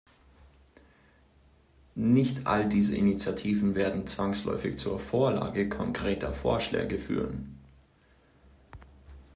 Nicht all diese Initiativen werden zwangsläufig zur Vorlage konkreter Vorschläge führen.